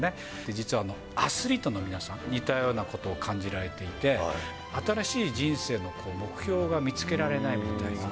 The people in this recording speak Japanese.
実はアスリートの皆さん、似たようなことを感じられていて、新しい人生の目標が見つけられないみたいな。